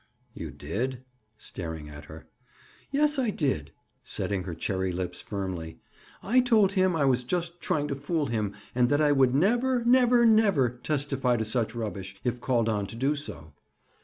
"You did?" Staring at her. "Yes, I did." Setting her cherry lips firmly. "I told him I was just trying to fool him and that I would never—never—never testify to such rubbish, if called on to do so."